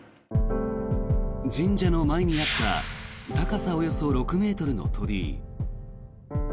神社の前にあった高さおよそ６ｍの鳥居。